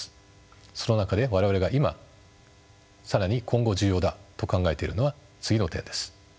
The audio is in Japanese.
その中で我々が今更に今後重要だと考えているのは次の点です。